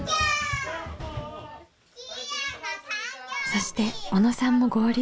そして小野さんも合流。